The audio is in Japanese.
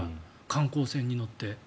観光船に乗って。